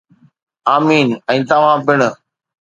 آمين ...۽ توهان پڻ.